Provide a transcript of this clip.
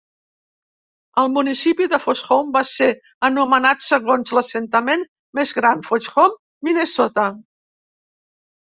El municipi de Foxhome va ser anomenat segons l'assentament més gran, Foxhome, Minnesota.